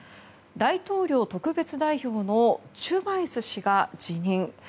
大統領特別代表のチュバイス氏が辞任。